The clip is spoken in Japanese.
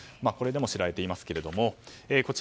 これでも知られていますけれども。